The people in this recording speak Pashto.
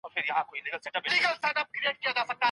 خېرمحمد وفادار داروخان خاکسار